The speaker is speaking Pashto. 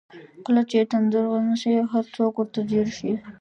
کله چې یې تندر ونیسي هر څوک ورته ځیر شي.